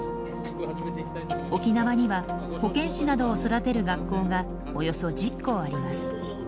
沖縄には保健師などを育てる学校がおよそ１０校あります。